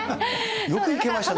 よく行けましたね。